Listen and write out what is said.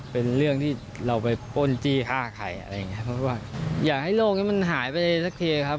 เพราะว่าอยากให้โลกนี้มันหายไปสักทีนะครับ